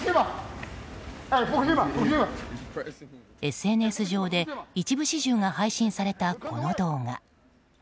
ＳＮＳ上で一部始終が配信されたこの動画。